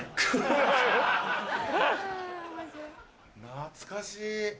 ・懐かしい！